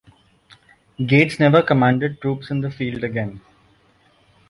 Gates never commanded troops in the field again.